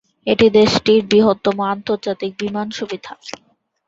এটি দেশটির বৃহত্তম আন্তর্জাতিক বিমান সুবিধা।